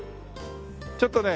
ちょっとね